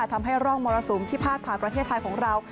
ทำให้ร่องมรสุมที่พาดผ่านประเทศไทยของเรา